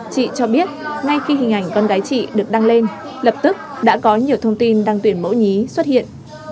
chị cho biết ngay khi hình ảnh con gái chị được đăng lên lập tức đã có nhiều thông tin đăng tuyển mẫu nhí xuất hiện